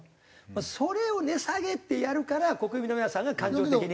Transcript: それを「値下げ」ってやるから国民の皆さんが感情的に。